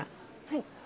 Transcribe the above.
はい。